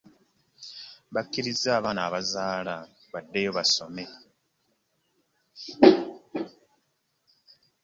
Bakiriza abaana abazaala baddeyo basome.